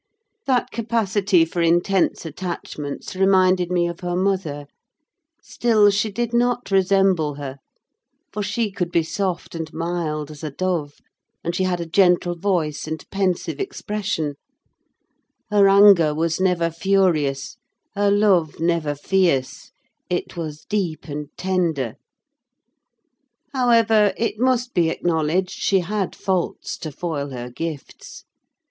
That capacity for intense attachments reminded me of her mother: still she did not resemble her: for she could be soft and mild as a dove, and she had a gentle voice and pensive expression: her anger was never furious; her love never fierce: it was deep and tender. However, it must be acknowledged, she had faults to foil her gifts.